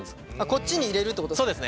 こっちに入れるってことですか？